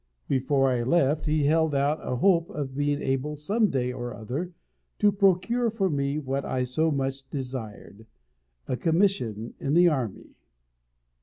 Before I left he held out a hope of being able, some day or other, to procure for me what I so much desired a commission in the army.